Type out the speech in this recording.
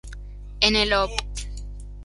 En el Op.